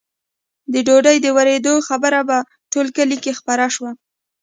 د ډوډۍ د ورېدو خبره په ټول کلي کې خپره شوه.